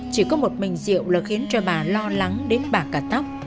chỉ có một mình diệu là khiến cho bà lo lắng đến bạc cả tóc